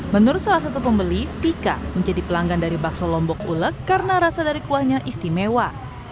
menurut salah satu pembeli tika menjadi pelanggan dari bakso lombok ulek karena rasa dari kuahnya istimewa